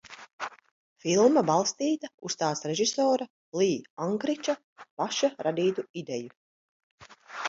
Filma balstīta uz tās režisora Lī Ankriča paša radītu ideju.